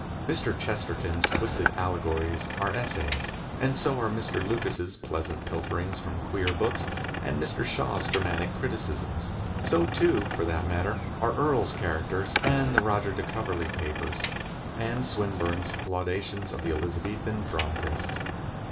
Mr. Chesterton's twisted allegories are essays, and so are Mr. Lucas's pleasant pilferings from queer books, and Mr. Shaw's dramatic criticisms. So, too, for that matter, are Earle's characters, and the Roger de Coverley papers, and Swinburne's laudations of the Elizabethan dramatists.